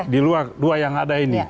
di luar dua yang ada ini